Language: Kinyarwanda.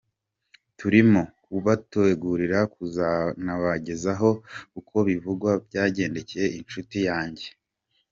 Turimo kubategurira kuzanabagezaho uko bivugwa byagendekeye inshuti yanjye Bakunzibake Alexis.